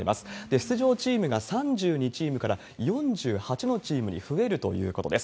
出場チームが３２チームから４８のチームに増えるということです。